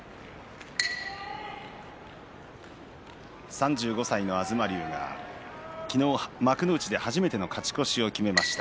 ３５歳の東龍が昨日、幕内で初めての勝ち越しを決めました。